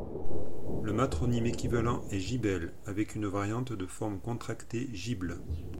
Le matronyme équivalent est Gibele, avec une variante de forme contractée Gible.